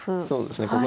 そうですね